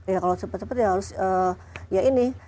ya kalau cepat cepat ya harus ya ini